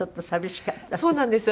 そうなんです。